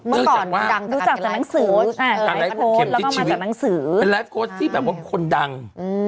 เมื่อก่อนรู้จักจากไลฟ์โค้ดแล้วก็มาจากนังสือ